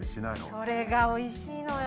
それがおいしいのよ。